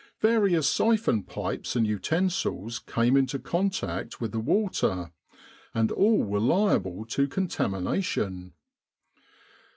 Various syphon pipes and utensils came into contact with the water, and all were liable to con tamination.